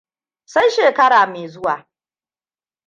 Sai shekara mai zuwa!